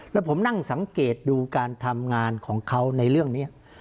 แล้วผมนั่งสังเกตดูการทำงานของเขาในเรื่องนี้